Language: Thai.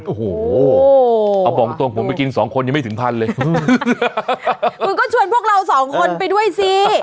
โอ้โหเอาบอกตรงผมไปกินสองคนยังไม่ถึงพันเลยคุณก็ชวนพวกเราสองคนไปด้วยสิ